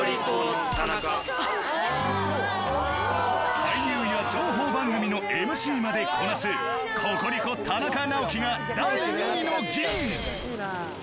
俳優や情報番組のＭＣまでこなすココリコが第２位の銀